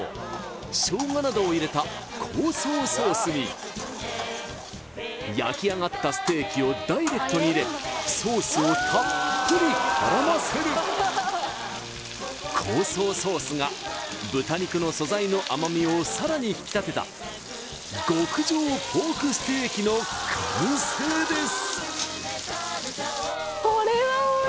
ショウガなどを入れた香草ソースに焼き上がったステーキをダイレクトに入れソースをたっぷり絡ませる香草ソースが豚肉の素材の甘みをさらに引き立てた極上ポークステーキの完成です